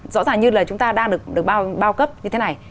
rõ ràng như là chúng ta đang được bao cấp như thế này